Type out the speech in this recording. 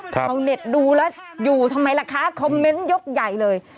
ชาวเน็ตดูแล้วอยู่ทำไมล่ะคะคอมเมนต์ยกใหญ่เลย